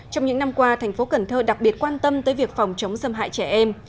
trong những năm qua thành phố cần thơ đặc biệt quan tâm tới việc phòng chống xâm hại trẻ em